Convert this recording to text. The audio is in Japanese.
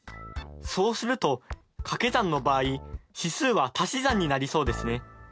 そうするとかけ算の場合指数は足し算になりそうですね。